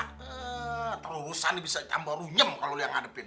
terus terusan bisa campur runyam kalo lu yang ngadepin